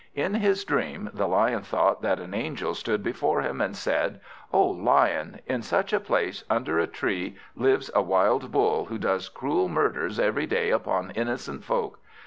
In his dream the Lion thought that an angel stood before him, and said: "O Lion! in such a place, under a tree, lives a wild Bull, who does cruel murders every day upon innocent folk.